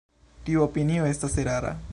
Tiu opinio estas erara.